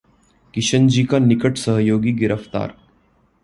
किशनजी का निकट सहयोगी गिरफ्तार